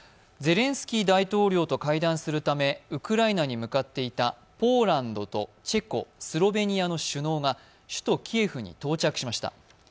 ゼレンスキー大統領と会談するためウクライナに向かっていたポーランドとチェコ、スロベニアの首脳が首都キエフに到着しました。